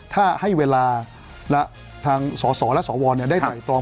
ถ้าให้เวลาและทางสสและสวได้ไตรตรอง